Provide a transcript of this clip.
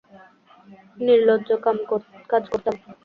নিলজ্জ কাজ করতাম।